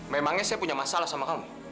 memang nya saya punya masalah sama kamu